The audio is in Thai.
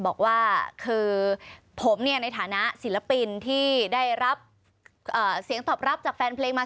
บอกว่าคือผมเนี่ยในฐานะศิลปินที่ได้รับเสียงตอบรับจากแฟนเพลงมา